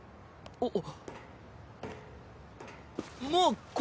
あっ。